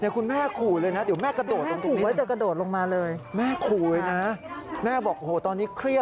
คุณแม่มากก่อนนี้